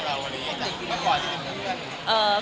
ก็เลยเอาข้าวเหนียวมะม่วงมาปากเทียน